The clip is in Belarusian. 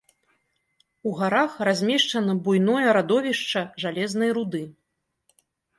У гарах размешчана буйное радовішча жалезнай руды.